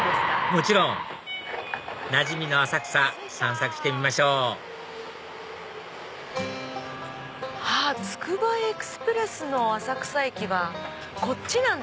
もちろんなじみの浅草散策してみましょうつくばエクスプレスの浅草駅はこっちなんですね。